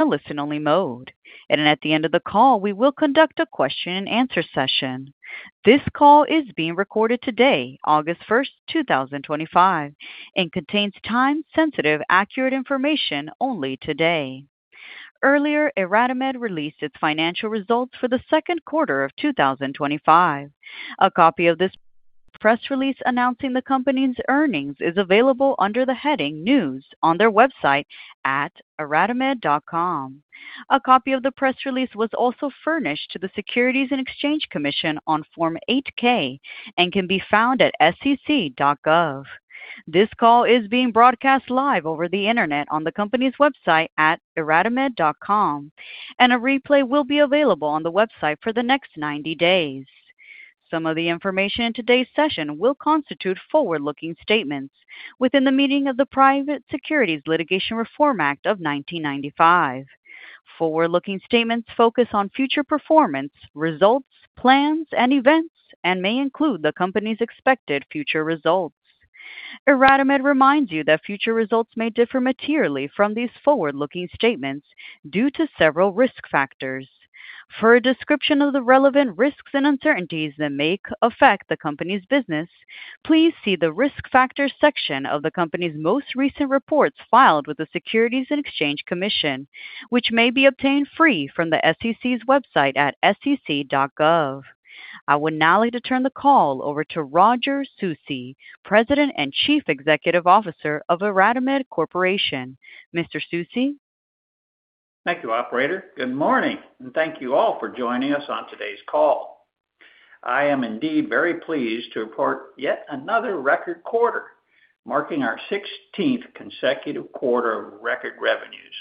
On listen only mode, and at the end of the call, we will conduct a question and answer session. This call is being recorded today, August 1st, 2025, and contains time-sensitive accurate information only today. Earlier, IRadimed released its financial results for the second quarter of 2025. A copy of this press release announcing the company's earnings is available under the heading News on their website at iradimed.com. A copy of the press release was also furnished to the Securities and Exchange Commission on Form 8-K and can be found at sec.gov. This call is being broadcast live over the internet on the company's website at iradimed.com, and a replay will be available on the website for the next 90 days. Some of the information in today's session will constitute forward-looking statements within the meaning of the Private Securities Litigation Reform Act of 1995. Forward-looking statements focus on future performance, results, plans, and events, and may include the company's expected future results. IRadimed reminds you that future results may differ materially from these forward-looking statements due to several risk factors. For a description of the relevant risks and uncertainties that may affect the company's business, please see the Risk Factors section of the company's most recent reports filed with the Securities and Exchange Commission, which may be obtained free from the SEC's website at sec.gov. I would now like to turn the call over to Roger Susi, President and Chief Executive Officer of IRadimed Corporation. Mr. Susi. Thank you, operator. Good morning, and thank you all for joining us on today's call. I am indeed very pleased to report yet another record quarter, marking our 16th consecutive quarter of record revenues.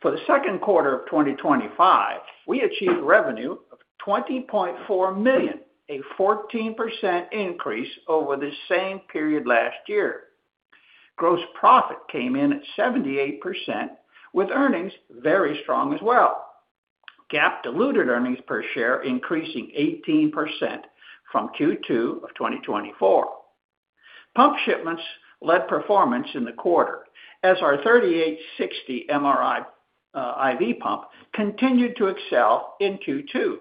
For the second quarter of 2025, we achieved revenue of $20.4 million, a 14% increase over the same period last year. Gross profit came in at 78%, with earnings very strong as well. GAAP diluted earnings per share increasing 18% from Q2 of 2024. Pump shipments led performance in the quarter as our MRidium 3860+ continued to excel in Q2.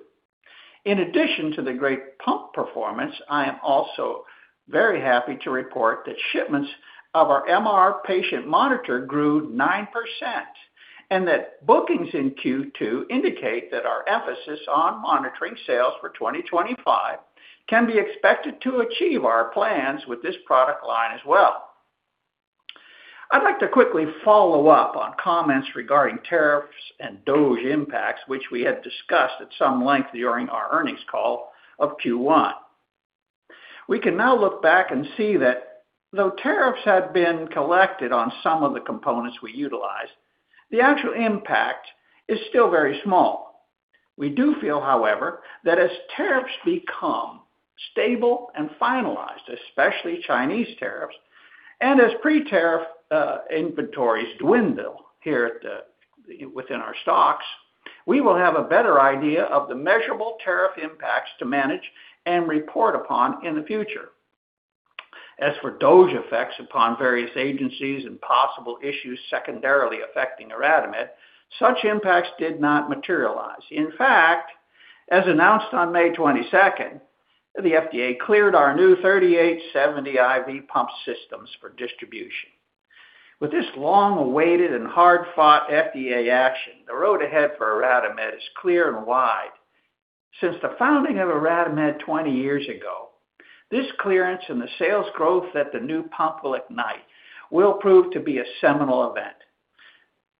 In addition to the great pump performance, I am also very happy to report that shipments of our MR patient monitor grew 9% and that bookings in Q2 indicate that our emphasis on monitoring sales for 2025 can be expected to achieve our plans with this product line as well. I'd like to quickly follow up on comments regarding tariffs and DOGE impacts, which we had discussed at some length during our earnings call of Q1. We can now look back and see that though tariffs had been collected on some of the components we utilize, the actual impact is still very small. We do feel, however, that as tariffs become stable and finalized, especially Chinese tariffs, and as pre-tariff inventories dwindle here within our stocks, we will have a better idea of the measurable tariff impacts to manage and report upon in the future. As for DOGE effects upon various agencies and possible issues secondarily affecting IRadimed, such impacts did not materialize. As announced on May 22nd, the FDA cleared our new 3870 IV pump systems for distribution. With this long-awaited and hard-fought FDA action, the road ahead for IRadimed is clear and wide. Since the founding of IRadimed 20 years ago, this clearance and the sales growth that the new pump will ignite will prove to be a seminal event.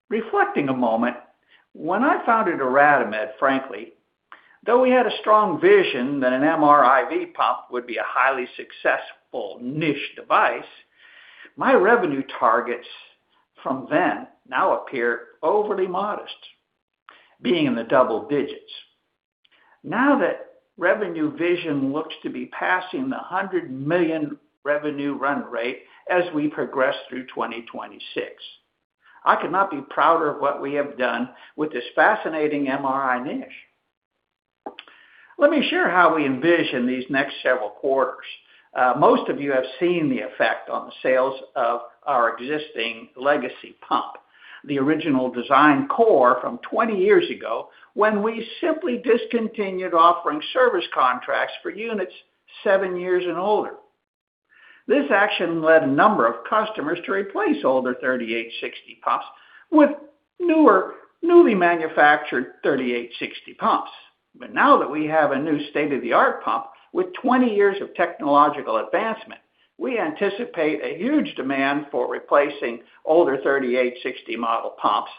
Reflecting a moment, when I founded IRadimed, frankly, though we had a strong vision that an MRIV pump would be a highly successful niche device, my revenue targets from then now appear overly modest, being in the double digits. That revenue vision looks to be passing the $100 million revenue run rate as we progress through 2026. I could not be prouder of what we have done with this fascinating MRI niche. Let me share how we envision these next several quarters. Most of you have seen the effect on the sales of our existing legacy pump, the original design core from 20 years ago, when we simply discontinued offering service contracts for units 7 years and older. This action led a number of customers to replace older 3860 pumps with newer, newly manufactured 3860 pumps. Now that we have a new state-of-the-art pump with 20 years of technological advancement, we anticipate a huge demand for replacing older 3860 model pumps,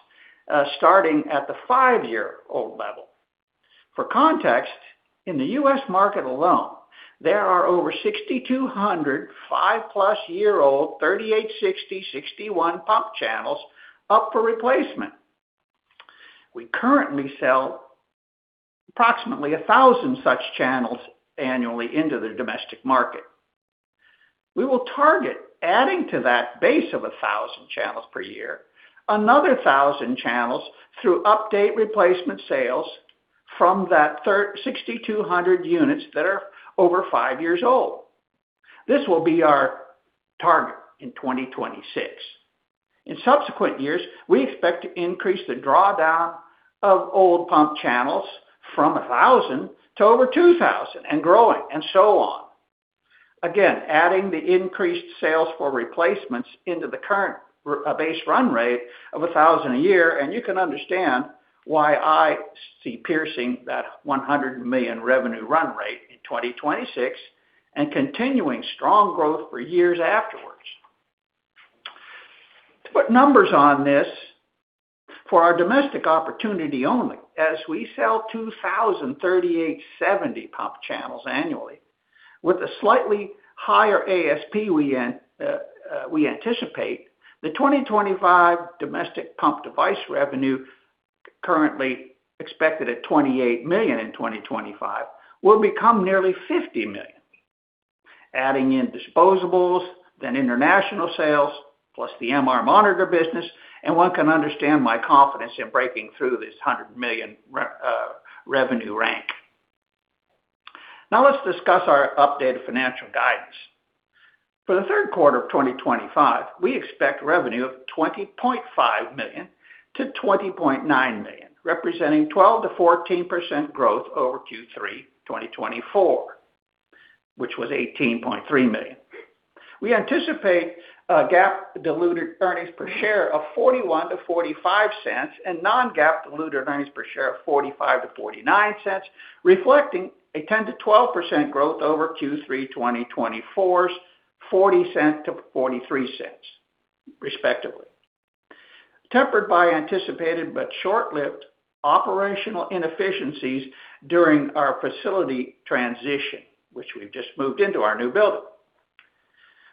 starting at the five-year-old level. For context, in the U.S. market alone, there are over 6,200 five-plus-year-old 3860, 61 pump channels up for replacement. We currently sell approximately 1,000 such channels annually into the domestic market. We will target adding to that base of 1,000 channels per year, another 1,000 channels through update replacement sales from that 6,200 units that are over five years old. This will be our target in 2026. In subsequent years, we expect to increase the drawdown of old pump channels from 1,000 to over 2,000 and growing, and so on. Adding the increased sales for replacements into the current base run rate of 1,000 a year, you can understand why I see piercing that $100 million revenue run rate in 2026 and continuing strong growth for years afterwards. To put numbers on this, for our domestic opportunity only, as we sell 2,000 3870 pump channels annually with a slightly higher ASP, we anticipate, the 2025 domestic pump device revenue currently expected at $28 million in 2025 will become nearly $50 million. Adding in Disposables, then international sales, plus the MR monitor business, one can understand my confidence in breaking through this $100 million revenue rank. Now let's discuss our updated financial guidance. For the third quarter of 2025, we expect revenue of $20.5 million-$20.9 million, representing 12%-14% growth over Q3 2024, which was $18.3 million. We anticipate a GAAP diluted earnings per share of $0.41-$0.45 and non-GAAP diluted earnings per share of $0.45-$0.49, reflecting a 10%-12% growth over Q3 2024's $0.40-$0.43, respectively. Tempered by anticipated but short-lived operational inefficiencies during our facility transition, which we've just moved into our new building.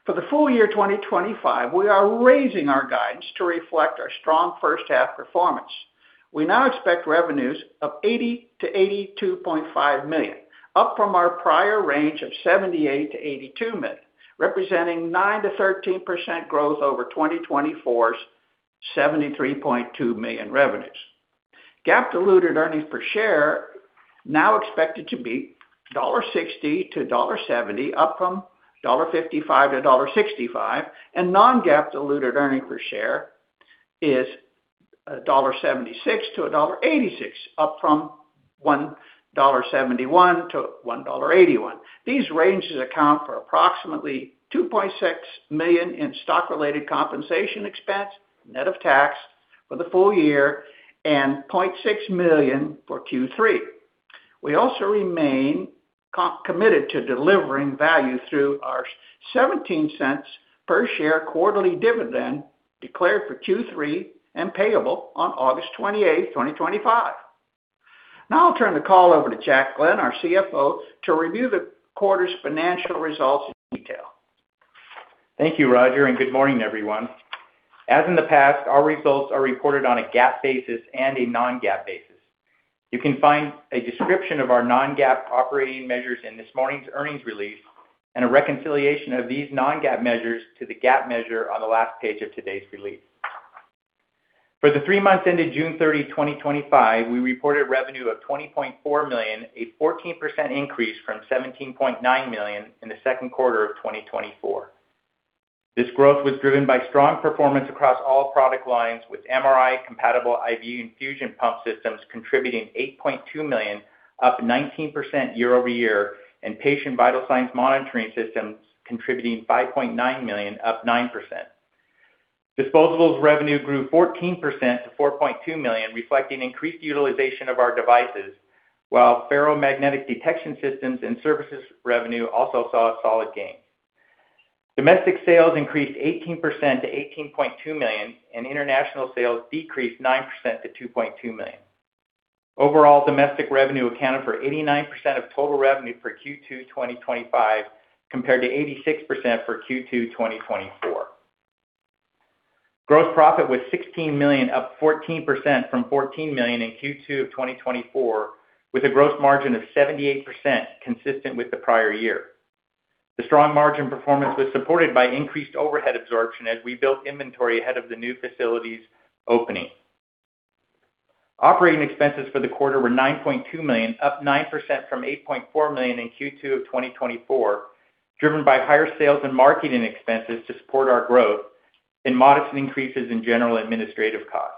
For the full year 2025, we are raising our guidance to reflect our strong first half performance. We now expect revenues of $80 million-$82.5 million, up from our prior range of $78 million-$82 million, representing 9%-13% growth over 2024's $73.2 million revenues. GAAP diluted earnings per share now expected to be $1.60-$1.70, up from $1.55-$1.65, and non-GAAP diluted earnings per share is $1.76-$1.86, up from $1.71-$1.81. These ranges account for approximately $2.6 million in stock-related compensation expense, net of tax for the full year, and $0.6 million for Q3. We also remain committed to delivering value through our $0.17 per share quarterly dividend declared for Q3 and payable on August 28, 2025. I'll turn the call over to Jack Glenn, our CFO, to review the quarter's financial results in detail. Thank you, Roger, and good morning, everyone. As in the past, our results are reported on a GAAP basis and a non-GAAP basis. You can find a description of our non-GAAP operating measures in this morning's earnings release and a reconciliation of these non-GAAP measures to the GAAP measure on the last page of today's release. For the three months ended June 30, 2025, we reported revenue of $20.4 million, a 14% increase from $17.9 million in the second quarter of 2024. This growth was driven by strong performance across all product lines, with MRI-compatible IV infusion pump systems contributing $8.2 million, up 19% year-over-year, and patient vital signs monitoring systems contributing $5.9 million, up 9%. Disposables revenue grew 14% to $4.2 million, reflecting increased utilization of our devices, while ferromagnetic detection systems and services revenue also saw a solid gain. Domestic sales increased 18% to $18.2 million, and international sales decreased 9% to $2.2 million. Overall, domestic revenue accounted for 89% of total revenue for Q2 2025, compared to 86% for Q2 2024. Gross profit was $16 million, up 14% from $14 million in Q2 2024, with a gross margin of 78% consistent with the prior year. The strong margin performance was supported by increased overhead absorption as we built inventory ahead of the new facility's opening. Operating expenses for the quarter were $9.2 million, up 9% from $8.4 million in Q2 2024, driven by higher sales and marketing expenses to support our growth and modest increases in general administrative costs.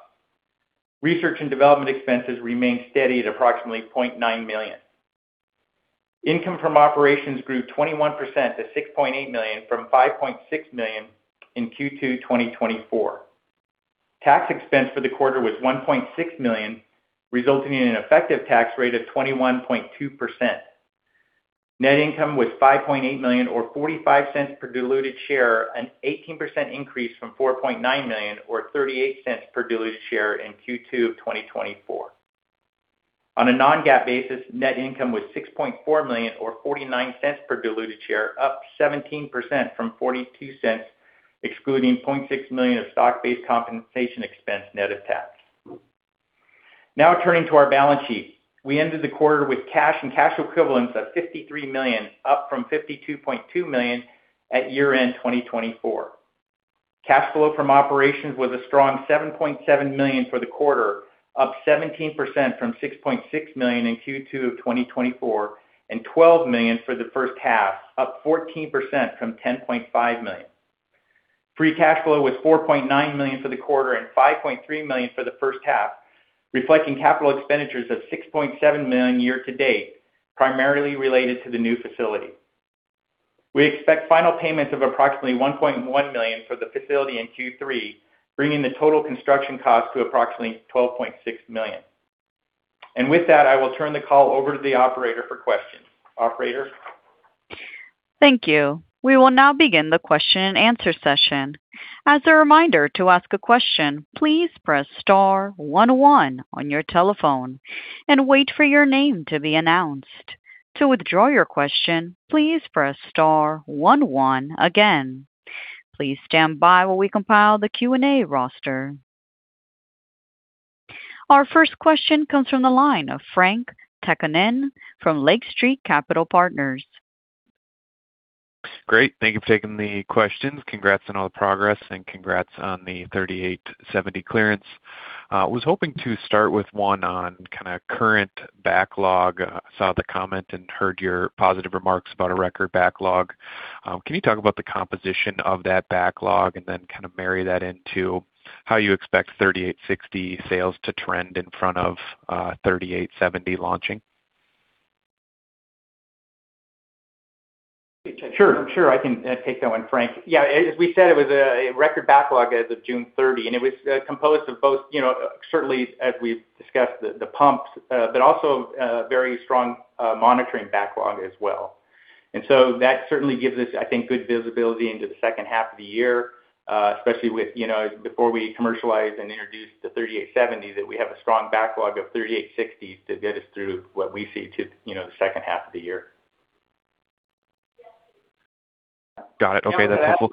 Research and development expenses remained steady at approximately $0.9 million. Income from operations grew 21% to $6.8 million from $5.6 million in Q2 2024. Tax expense for the quarter was $1.6 million, resulting in an effective tax rate of 21.2%. Net income was $5.8 million or $0.45 per diluted share, an 18% increase from $4.9 million or $0.38 per diluted share in Q2 2024. On a non-GAAP basis, net income was $6.4 million or $0.49 per diluted share, up 17% from $0.42, excluding $0.6 million of stock-based compensation expense net of tax. Turning to our balance sheet. We ended the quarter with cash and cash equivalents of $53 million, up from $52.2 million at year-end 2024. Cash flow from operations was a strong $7.7 million for the quarter, up 17% from $6.6 million in Q2 of 2024, and $12 million for the first half, up 14% from $10.5 million. Free cash flow was $4.9 million for the quarter and $5.3 million for the first half, reflecting capital expenditures of $6.7 million year to date, primarily related to the new facility. We expect final payments of approximately $1.1 million for the facility in Q3, bringing the total construction cost to approximately $12.6 million. With that, I will turn the call over to the operator for questions. Operator? Thank you. We will now begin the question and answer session. As a reminder, to ask a question, please press star one one on your telephone and wait for your name to be announced. To withdraw your question, please press star one one again. Please stand by while we compile the Q&A roster. Our first question comes from the line of Frank Takkinen from Lake Street Capital Markets. Great. Thank you for taking the questions. Congrats on all the progress and congrats on the MRidium 3870 clearance. I was hoping to start with one on kinda current backlog. I saw the comment and heard your positive remarks about a record backlog. Can you talk about the composition of that backlog and then kind of marry that into how you expect MRidium 3860+ sales to trend in front of MRidium 3870 launching? Sure. I can take that one, Frank. Yeah, as we said, it was a record backlog as of June 30, and it was composed of both, you know, certainly as we've discussed the pumps, but also very strong monitoring backlog as well. That certainly gives us, I think, good visibility into the second half of the year, especially with, you know, before we commercialize and introduce the MRidium 3870, that we have a strong backlog of MRidium 3860+ to get us through what we see to, you know, the second half of the year. Got it. Okay. That's helpful.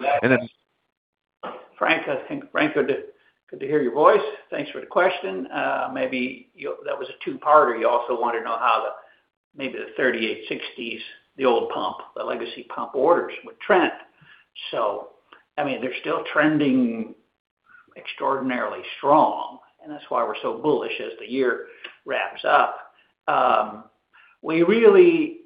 Frank, good to hear your voice. Thanks for the question. Maybe that was a two-parter. You also want to know how the, maybe the 3860s, the old pump, the legacy pump orders would trend. I mean, they're still trending extraordinarily strong, and that's why we're so bullish as the year wraps up. We really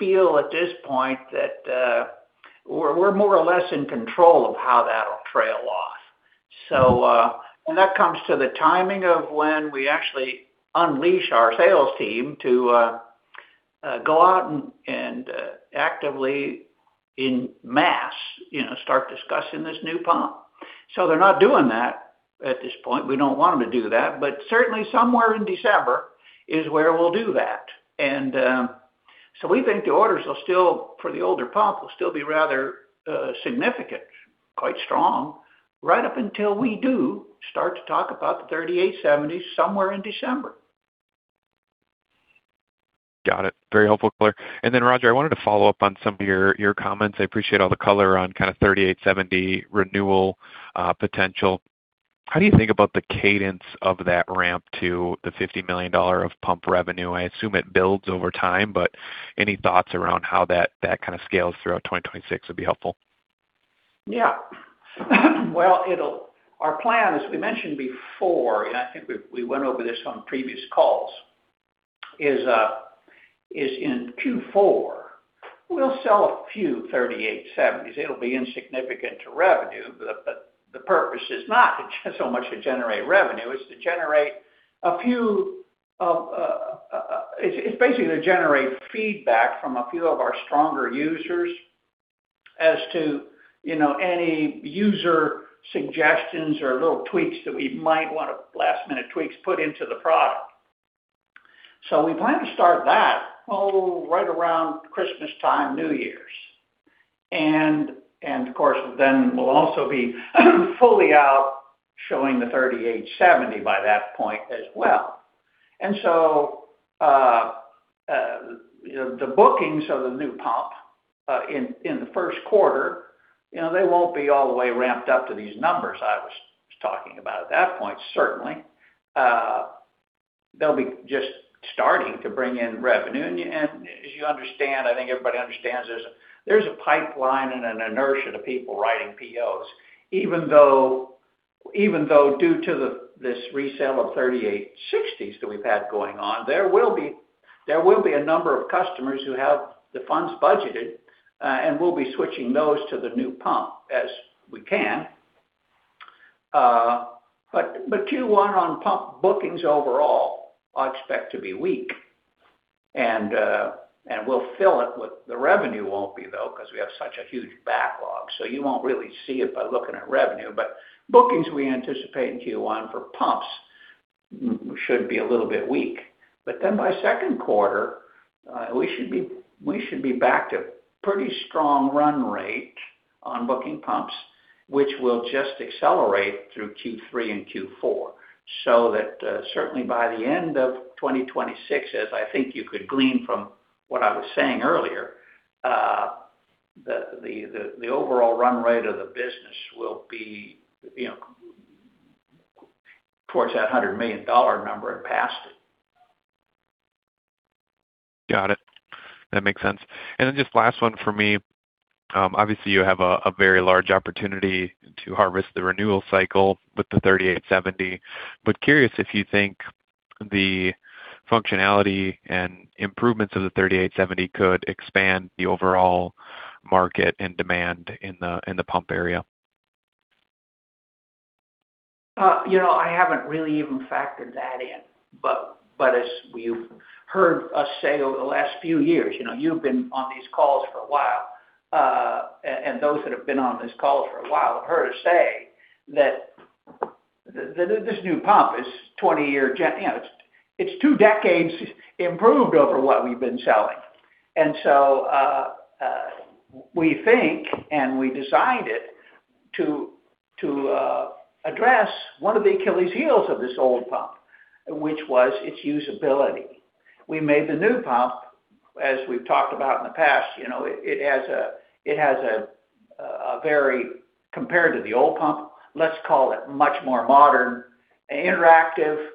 feel at this point that we're more or less in control of how that'll trail off. That comes to the timing of when we actually unleash our sales team to go out and actively in mass, you know, start discussing this new pump. They're not doing that at this point. We don't want them to do that. Certainly somewhere in December is where we'll do that. We think the orders will still, for the older pump, will still be rather significant, quite strong, right up until we do start to talk about the MRidium 3870 somewhere in December. Got it. Very helpful, [clear]. Roger, I wanted to follow up on some of your comments. I appreciate all the color on kind of MRidium 3870 renewal potential. How do you think about the cadence of that ramp to the $50 million of pump revenue? I assume it builds over time, but any thoughts around how that kind of scales throughout 2026 would be helpful. Well, it'll Our plan, as we mentioned before, I think we went over this on previous calls, is in Q4, we'll sell a few 3870s. It'll be insignificant to revenue, the purpose is not so much to generate revenue. It's to generate a few of, it's basically to generate feedback from a few of our stronger users as to, you know, any user suggestions or little tweaks that we might want to, last-minute tweaks, put into the product. We plan to start that, right around Christmas time, New Year's. Of course, then we'll also be fully out showing the MRidium 3870 by that point as well. You know, the bookings of the new pump, in the first quarter, you know, they won't be all the way ramped up to these numbers I was talking about at that point, certainly. They'll be just starting to bring in revenue. As you understand, I think everybody understands this, there's a pipeline and an inertia to people writing POs. Even though due to the, this resale of 3860s that we've had going on, there will be a number of customers who have the funds budgeted, and we'll be switching those to the new pump as we can. Q1 on pump bookings overall, I expect to be weak. We'll fill it with. The revenue won't be though, because we have such a huge backlog. You won't really see it by looking at revenue. Bookings we anticipate in Q1 for pumps should be a little bit weak. By 2nd quarter, we should be back to pretty strong run rate on booking pumps, which will just accelerate through Q3 and Q4. Certainly by the end of 2026, as I think you could glean from what I was saying earlier, the overall run rate of the business will be, you know, towards that $100 million number and past it. Got it. That makes sense. Just last one for me. Obviously, you have a very large opportunity to harvest the renewal cycle with the MRidium 3870. Curious if you think the functionality and improvements of the MRidium 3870 could expand the overall market and demand in the, in the pump area. You know, I haven't really even factored that in. As you've heard us say over the last few years, you know, you've been on these calls for a while, and those that have been on these calls for a while have heard us say. You know, it's two decades improved over what we've been selling. We think and we designed it to address one of the Achilles heels of this old pump, which was its usability. We made the new pump, as we've talked about in the past, you know, it has a very, compared to the old pump, let's call it much more modern, interactive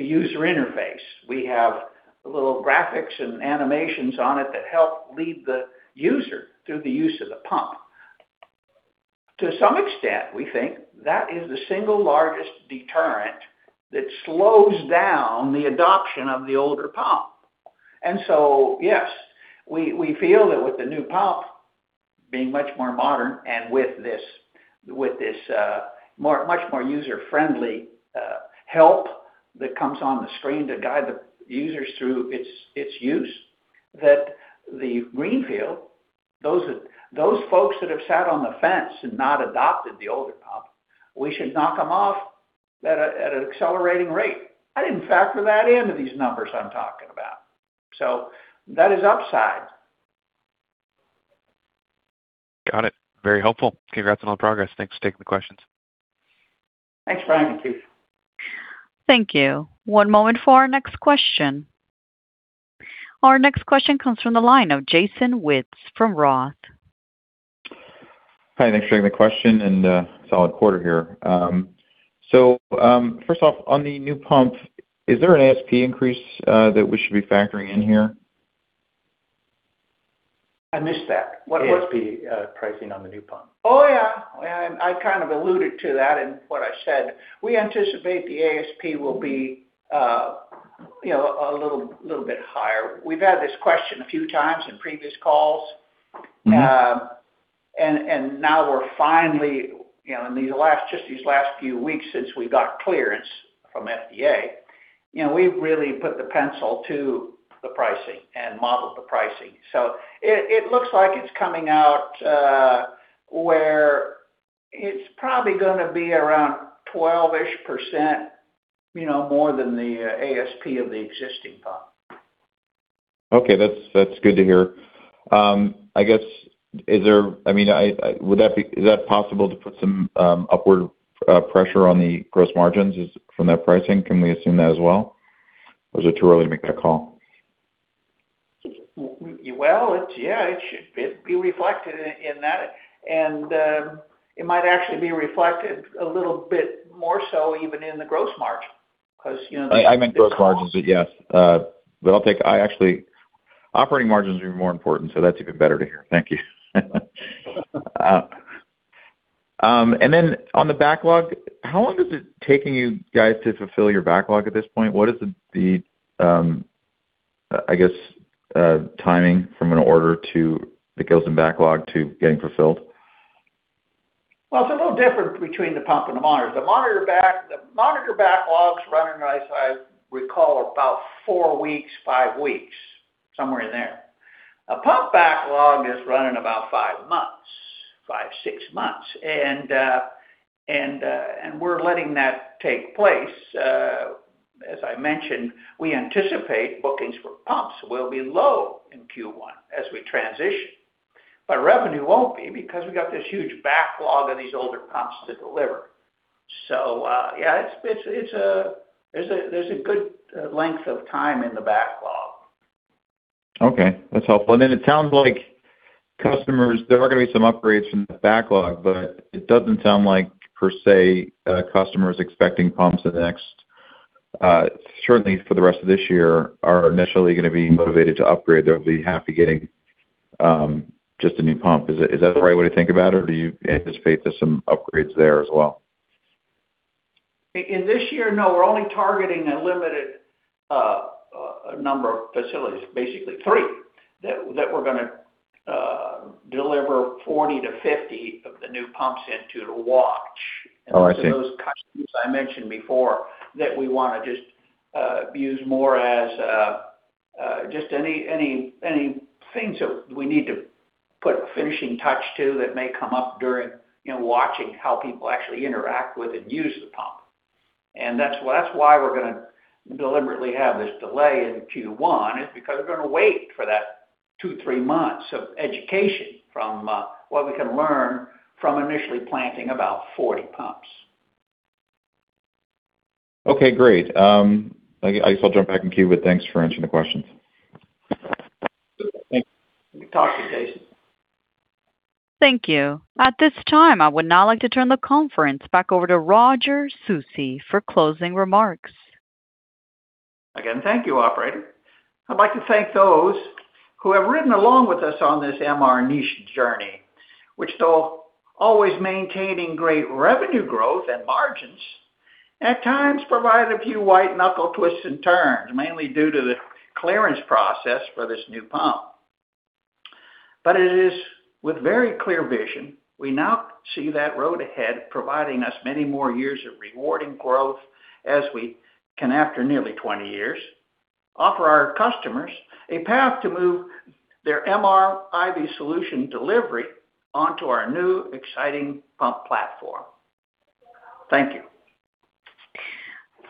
user interface. We have little graphics and animations on it that help lead the user through the use of the pump. To some extent, we think that is the single largest deterrent that slows down the adoption of the older pump. Yes, we feel that with the new pump being much more modern and with this, much more user-friendly help that comes on the screen to guide the users through its use, that the greenfield, those folks that have sat on the fence and not adopted the older pump, we should knock them off at an accelerating rate. I didn't factor that into these numbers I'm talking about. That is upside. Got it. Very helpful. Congrats on all the progress. Thanks for taking the questions. Thanks for having me, Takkinen. Thank you. One moment for our next question. Our next question comes from the line of Jason Wittes from ROTH. Hi, thanks for taking the question. Solid quarter here. First off, on the new pump, is there an ASP increase that we should be factoring in here? I missed that. What was-. ASP pricing on the new pump. Oh, yeah. I kind of alluded to that in what I said. We anticipate the ASP will be, you know, a little bit higher. We've had this question a few times in previous calls. Mm-hmm. Now we're finally, you know, in these last, just these last few weeks since we got clearance from FDA, you know, we've really put the pencil to the pricing and modeled the pricing. It looks like it's coming out, where it's probably gonna be around 12-ish%, you know, more than the ASP of the existing pump. Okay, that's good to hear. I guess I mean, is that possible to put some upward pressure on the gross margins is from that pricing? Can we assume that as well, or is it too early to make that call? Well, it's. Yeah, it should be reflected in that. It might actually be reflected a little bit more so even in the gross margin because, you know, I meant gross margins, yes. Operating margins are even more important, that's even better to hear. Thank you. On the backlog, how long is it taking you guys to fulfill your backlog at this point? What is the timing from an order that goes in backlog to getting fulfilled? It's a little different between the pump and the monitors. The monitor backlog's running, as I recall, about four weeks, five weeks, somewhere in there. A pump backlog is running about five months, five to six months. We're letting that take place. As I mentioned, we anticipate bookings for pumps will be low in Q1 as we transition, but revenue won't be because we've got this huge backlog of these older pumps to deliver. Yeah, it's a, there's a good length of time in the backlog. Okay, that's helpful. It sounds like customers, there are going to be some upgrades from the backlog, but it doesn't sound like per se, customers expecting pumps in the next, certainly for the rest of this year are initially going to be motivated to upgrade. They'll be happy getting just a new pump. Is that the right way to think about it, or do you anticipate there's some upgrades there as well? In this year, no. We're only targeting a limited number of facilities, basically three, that we're gonna deliver 40 to 50 of the new pumps into to watch. Oh, I see. Those customers I mentioned before that we wanna just use more as a just any things that we need to put a finishing touch to that may come up during, you know, watching how people actually interact with and use the pump. That's why we're gonna deliberately have this delay into Q1, is because we're gonna wait for that two, three months of education from what we can learn from initially planting about 40 pumps. Okay, great. I guess I'll jump back in queue, but thanks for answering the questions. Thanks. We can talk soon, Jason. Thank you. At this time, I would now like to turn the conference back over to Roger Susi for closing remarks. Again, thank you, operator. I'd like to thank those who have ridden along with us on this MR niche journey, which though always maintaining great revenue growth and margins, at times provided a few white-knuckle twists and turns, mainly due to the clearance process for this new pump. It is with very clear vision, we now see that road ahead providing us many more years of rewarding growth as we can, after nearly 20 years, offer our customers a path to move their MRIV solution delivery onto our new exciting pump platform. Thank you.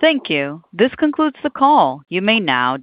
Thank you. This concludes the call. You may now disconnect.